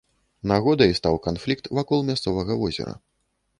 Нагодай стаў канфлікт вакол мясцовага возера.